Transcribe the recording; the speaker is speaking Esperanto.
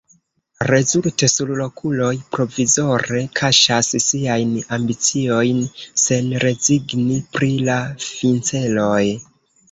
Rezulte surlokuloj provizore kaŝas siajn ambiciojn, sen rezigni pri la finceloj.